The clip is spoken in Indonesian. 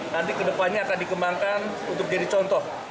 nanti kedepannya akan dikembangkan untuk jadi contoh